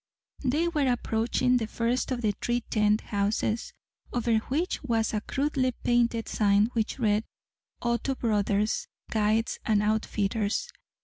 They were approaching the first of the three tent houses, over which was a crudely painted sign which read "Otto Brothers, Guides and Outfitters."